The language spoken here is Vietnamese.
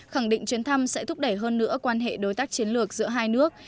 khẳng định chuyến thăm sẽ thúc đẩy hơn nữa quan hệ đối tác chiến lược giữa hai nước